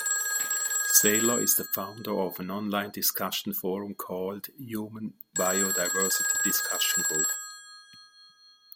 Sailer is the founder of an online discussion forum called "Human Biodiversity Discussion Group".